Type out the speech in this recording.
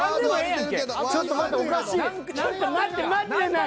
ちょっと待ってマジでない。